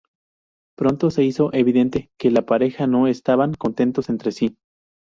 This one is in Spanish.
Pronto se hizo evidente que la pareja no estaban contentos entre sí.